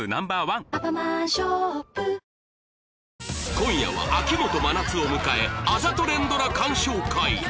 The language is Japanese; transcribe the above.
今夜は秋元真夏を迎えあざと連ドラ鑑賞会